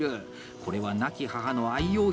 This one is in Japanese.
これは、亡き母の愛用品。